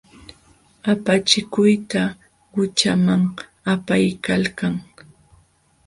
Apachikuyta qućhaman apaykalkan.